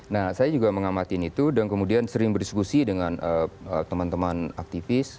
nah saya juga mengamati itu dan kemudian sering berdiskusi dengan teman teman aktivis